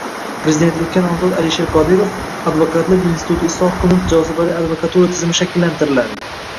Prezidentlikka nomzod Alisher Qodirov: “Advokatlik instituti isloh qilinib, jozibali advokatura tizimi shakllantiriladi”